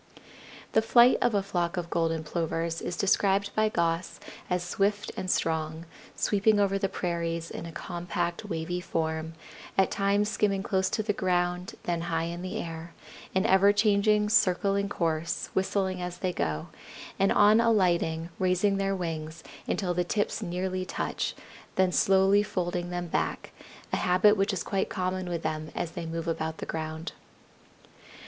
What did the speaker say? The flight of a flock of Golden Plovers is described by Goss as swift and strong, sweeping over the prairies in a compact, wavy form, at times skimming close to the ground, then high in the air; an everchanging, circling course, whistling as they go; and on alighting raising their wings until the tips nearly touch, then slowly folding them back, a habit which is quite common with them as they move about the ground.